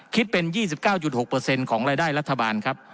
คิดเป็น๒๙๖ของรายได้รัฐบาลครับ